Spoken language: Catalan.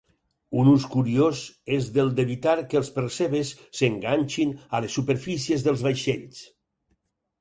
Un ús curiós és del d'evitar que els percebes s'enganxin a les superfícies dels vaixells.